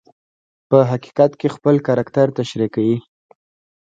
په حقیقت کې خپل کرکټر تشریح کوي.